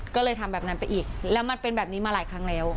ก็เลยทำแบบนั้นไปอีกแล้วมันเป็นแบบนี้มาหลายครั้งแล้ว